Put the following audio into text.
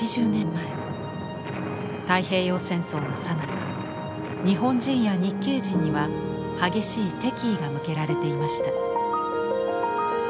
太平洋戦争のさなか日本人や日系人には激しい敵意が向けられていました。